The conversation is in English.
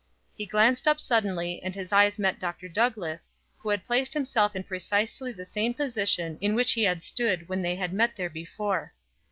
He glanced up suddenly, and his eyes met Dr. Douglass, who had placed himself in precisely the same position in which he had stood when they had met there before.